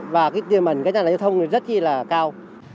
và tiền mẩn gây ra lái xe giao thông rất cao